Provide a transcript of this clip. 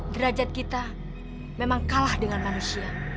derajat kita memang kalah dengan manusia